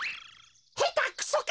へたくそか！